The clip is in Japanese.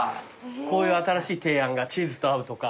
こういう新しい提案がチーズと合うとか。